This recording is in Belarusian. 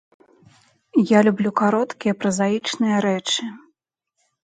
Я люблю кароткія празаічныя рэчы.